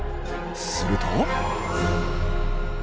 すると。